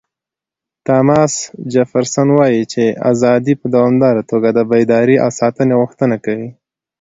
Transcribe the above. تاماس جفرسن وایي چې ازادي په دوامداره توګه د بیدارۍ او ساتنې غوښتنه کوي.